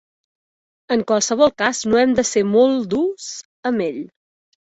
En qualsevol cas, no hem de ser molt durs amb ell.